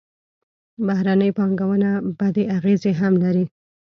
بهرنۍ پانګونه بدې اغېزې هم لري.